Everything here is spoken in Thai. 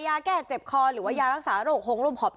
ยาแก้เจ็บคอหรือว่ายารักษาโรคหงลมหอบ